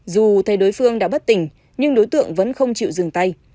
dù thay đối phương đã bất tỉnh nhưng đối tượng vẫn không chịu dừng tay